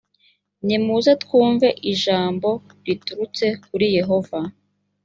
nimuze twumve ijambo riturutse kuri yehova